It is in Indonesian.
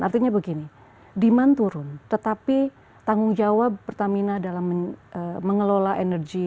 artinya begini demand turun tetapi tanggung jawab pertamina dalam mengelola energi